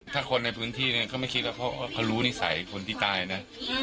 ถ้าคนในพื้นที่ก็ไม่คิดว่าเขารู้นิสัยคนที่ตายนะ